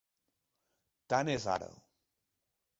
Tant és ara.